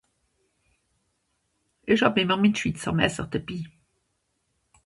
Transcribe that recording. ìsch hàb ìmmer min Schwizermässer de'bii